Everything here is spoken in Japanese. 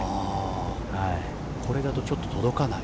これだとちょっと届かない？